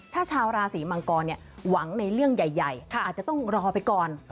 ถ้าชาวราศีมังกรหวังในเรื่องใหญ่อาจจะต้องรอไปก่อน